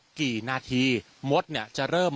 และก็คือว่าถึงแม้วันนี้จะพบรอยเท้าเสียแป้งจริงไหม